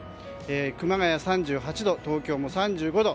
熊谷３８度東京も３５度。